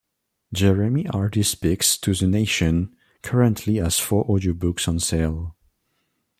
"Jeremy Hardy Speaks to the Nation" currently has four audio books on sale.